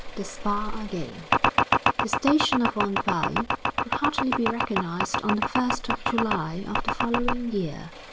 The Spa Again The station of Enval could hardly be recognized on the first of July of the following year.